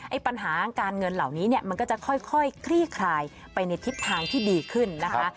ปัญหาการเงินเหล่านี้เนี่ยมันก็จะค่อยคลี่คลายไปในทิศทางที่ดีขึ้นนะคะ